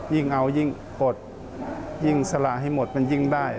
ยิ่งเอายิ่งกดยิ่งสละให้หมดมันยิ่งได้